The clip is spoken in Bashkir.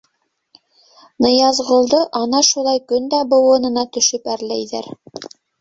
Ныязғолдо ана шулай көн дә быуынына төшөп әрләйҙәр.